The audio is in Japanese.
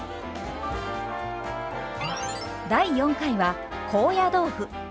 第４回は高野豆腐。